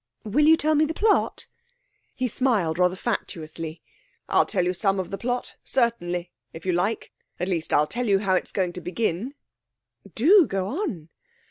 'Will you tell me the plot?' He smiled rather fatuously. 'I'll tell you some of the plot, certainly, if you like at least, I'll tell you how it's going to begin.' 'Do go on!'